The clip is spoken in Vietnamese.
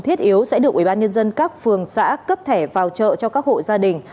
thiết yếu sẽ được ủy ban nhân dân các phường xã cấp thẻ vào chợ cho các hộ gia đình